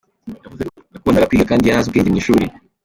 Yavuze ko yakundaga kwiga, kandi yari azi ubwenge mu ishuri.